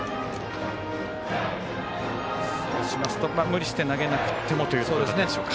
そうしますと無理して投げなくてもというところなんでしょうか。